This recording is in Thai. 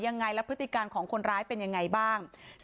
ยังไงและพฤติการของคนร้ายเป็นยังไงบ้าง